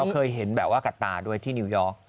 เคยเห็นแบบว่ากับตาด้วยที่นิวยอร์ก